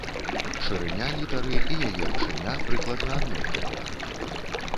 Шырыня літары і яе вышыня прыкладна аднолькавыя.